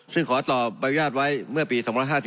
ซึ่งขอต่อบริษัทไว้เมื่อปี๒๕๔